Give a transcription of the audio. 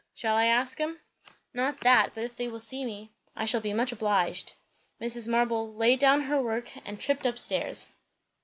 Shall I ask 'em?" "Not that, but if they will see me. I shall be much obliged." Mrs. Marble laid down her work and tripped up stairs.